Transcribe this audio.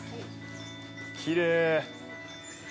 きれい。